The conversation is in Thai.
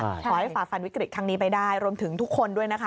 ขอให้ฝ่าฟันวิกฤตครั้งนี้ไปได้รวมถึงทุกคนด้วยนะคะ